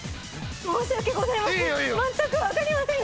申し訳ございません！